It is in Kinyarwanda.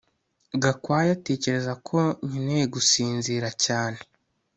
Gakwaya atekereza ko nkeneye gusinzira cyane